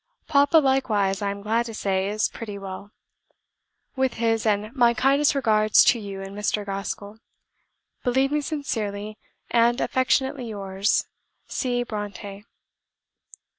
Papa likewise, I am glad to say, is pretty well; with his and my kindest regards to you and Mr. Gaskell Believe me sincerely and affectionately yours, C. BRONTË."